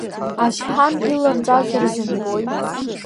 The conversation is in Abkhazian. Ашҳам иларҵазар зымбои?